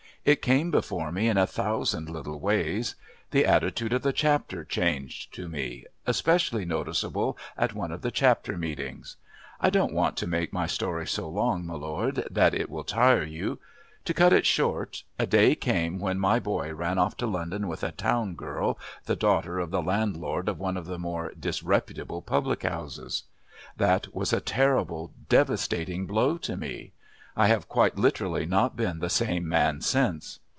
It came before me in a thousand little ways. The attitude of the Chapter changed to me especially noticeable at one of the Chapter meetings. I don't want to make my story so long, my lord, that it will tire you. To cut it short a day came when my boy ran off to London with a town girl, the daughter of the landlord of one of the more disreputable public houses. That was a terrible, devastating blow to me. I have quite literally not been the same man since.